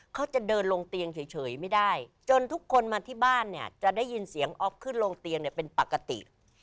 เขาจะเดินลงเตียงเฉยไม่ได้จนทุกคนมาที่บ้านเนี่ยจะได้ยินเสียงอ๊อฟขึ้นลงเตียงเนี่ยเป็นปกติ